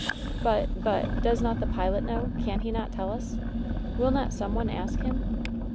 "But — but — does not the pilot know? Can he not tell us? Will not some one ask him?''